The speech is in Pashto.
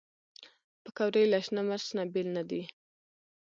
پکورې له شنه مرچ نه بېل نه دي